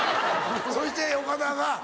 そして岡田が。